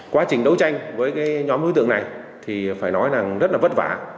quá trình đấu tranh với nhóm đối tượng này thì phải nói là rất là vất vả